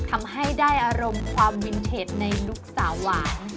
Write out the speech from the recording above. ทำให้ได้อารมณ์ความวินเทจในลูกสาวหวาน